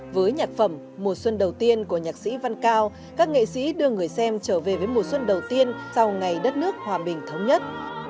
với nhạc phẩm mùa xuân đầu tiên của nhạc sĩ văn cao các nghệ sĩ đưa người xem trở về với mùa xuân đầu tiên sau ngày đất nước hòa bình thống nhất